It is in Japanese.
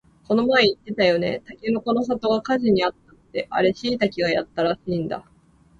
この前言ってたよね、たけのこの里が火事にあったってあれしいたけがやったらしいんだ